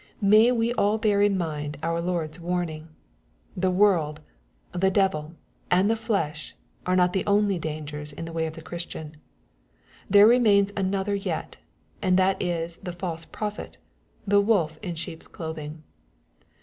May we all bear in mind our Lord's warning 1 The world, the devil, and the flesh, are not the only dangers in the way of the Christian. There remains another yet, and that is the " false prophet," the wolf in sheep's clothing.